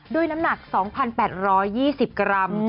น้ำหนัก๒๘๒๐กรัม